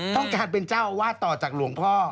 ต้องการเป็นเจ้าอาวาสต่อจากหลวงพ่อ